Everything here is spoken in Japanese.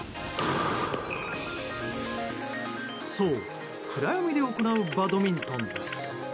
そう、暗闇で行うバドミントンです。